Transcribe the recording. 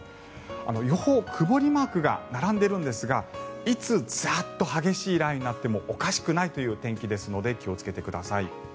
予報、曇りマークが並んでいるんですがいつ、ザッと激しい雷雨になってもおかしくないという天気ですので気をつけてください。